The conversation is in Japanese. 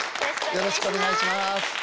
よろしくお願いします。